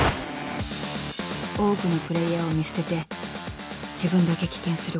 ［多くのプレーヤーを見捨てて自分だけ棄権することは］